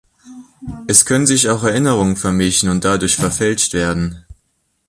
Es können sich auch Erinnerungen vermischen und dadurch verfälscht werden.